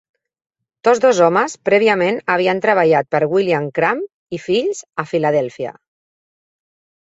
Tots dos homes prèviament havien treballat per William Cramp i Fills a Filadèlfia.